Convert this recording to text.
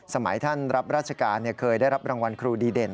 สมัยท่านรับราชการเคยได้รับรางวัลครูดีเด่น